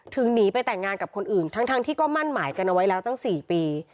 หนีไปแต่งงานกับคนอื่นทั้งที่ก็มั่นหมายกันเอาไว้แล้วตั้ง๔ปี